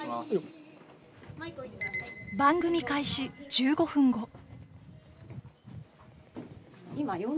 番組開始１５分後。